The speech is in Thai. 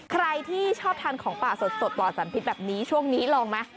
ใครที่ชอบทานของปลาสดปลอดศัลย์พิทธิ์แบบนี้ช่วงนี้ลองมา